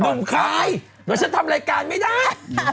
หนุ่มใครเดี๋ยวฉันทำรายการไม่ได้